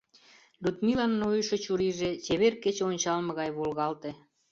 Людмилан нойышо чурийже чевер кече ончалме гай волгалте.